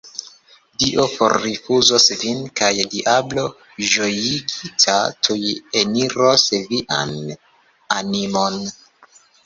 Dio forrifuzos vin, kaj diablo ĝojigita tuj eniros vian animon!